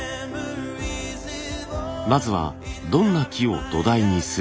まずはどんな木を土台にするか。